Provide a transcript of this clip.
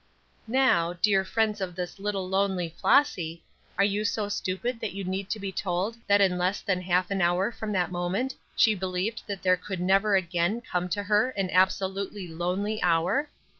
Now, dear friends of this little lonely Flossy, are you so stupid that you need to be told that in less than half an hour from that moment she believed that there could never again come to her an absolutely lonely hour?